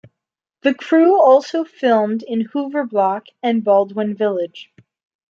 The crew also filmed in Hoover Block and Baldwin Village.